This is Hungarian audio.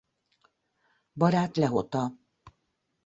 Barát Lehota.